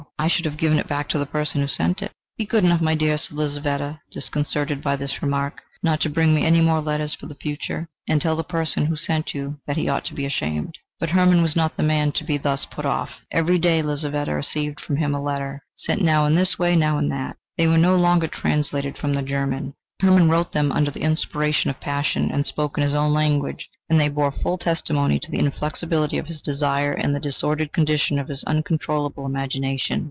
"I should have given it back to the person who sent it." "Be good enough, my dear," said Lizaveta, disconcerted by this remark, "not to bring me any more letters for the future, and tell the person who sent you that he ought to be ashamed..." But Hermann was not the man to be thus put off. Every day Lizaveta received from him a letter, sent now in this way, now in that. They were no longer translated from the German. Hermann wrote them under the inspiration of passion, and spoke in his own language, and they bore full testimony to the inflexibility of his desire and the disordered condition of his uncontrollable imagination.